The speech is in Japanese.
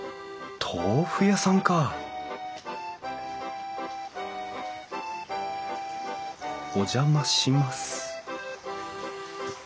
豆腐屋さんかお邪魔します